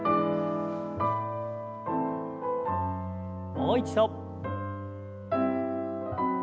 もう一度。